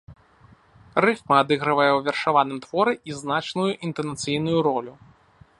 Рыфма адыгрывае ў вершаваным творы і значную інтанацыйную ролю.